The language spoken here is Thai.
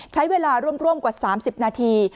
ใช้เวลาร่วมกว่า๓๐นาที